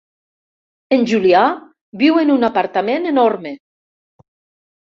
En Julià viu en un apartament enorme.